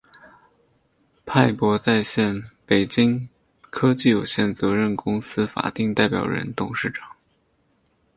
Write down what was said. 派博在线（北京）科技有限责任公司法定代表人、董事长